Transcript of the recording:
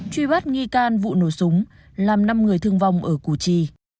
truy bắt nghi can vụ nổ súng làm năm người thương vong ở củ chi